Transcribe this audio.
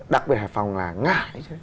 đặc biệt hải phòng là ngại